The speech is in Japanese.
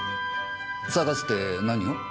捜すって何を？